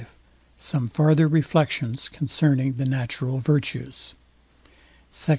V SOME FARTHER REFLECTIONS CONCERNING THE NATURAL VIRTUES SECT.